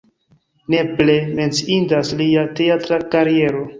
Nepre menciindas lia teatra kariero.